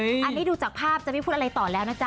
อันนี้ดูจากภาพจะไม่พูดอะไรต่อแล้วนะจ๊